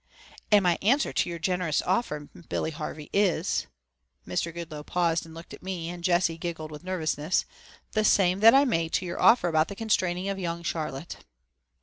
"And my answer to your generous offer, Billy Harvey, is " Mr. Goodloe paused and looked at me, and Jessie giggled with nervousness "the same that I made to your offer about the constraining of young Charlotte."